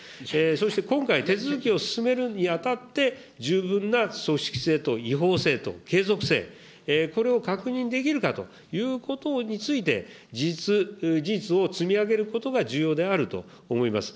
そして今回、手続を進めるにあたって、十分な組織性と違法性と継続性、これを確認できるかということについて、事実を積み上げることが重要であると思います。